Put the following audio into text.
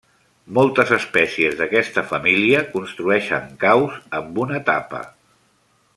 Moltes espècies d'aquesta família construeixen caus amb una tapa.